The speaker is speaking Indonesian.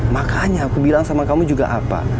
makanya aku bilang sama kamu juga apa